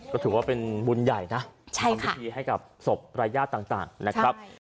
ก็ถือว่าเป็นบุญใหญ่นะทำพิธีให้กับศพรายญาติต่างนะครับ